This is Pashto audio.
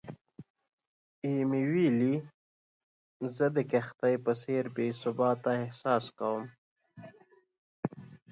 ایمي ویلي، "زه د کښتۍ په څېر بې ثباته احساس کوم."